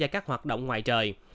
trong các hoạt động ngoài trời